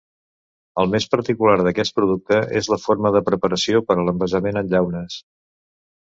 El més particular d'aquest producte és la forma de preparació per a l'envasament en llaunes.